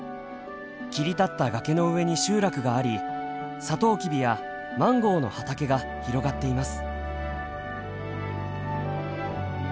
切り立った崖の上に集落がありサトウキビやマンゴーの畑が広がっています。